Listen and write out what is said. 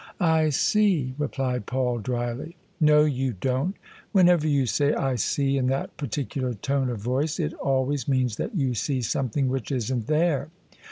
" I see," replied Paul drily. " No, you don't Whenever you say * I see ' in that par ticular tone of voice, it always means that you see something which isn't there."